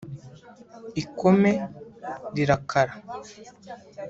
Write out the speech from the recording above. ikome rirakara